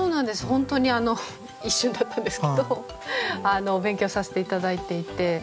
本当に一瞬だったんですけどお勉強させて頂いていて。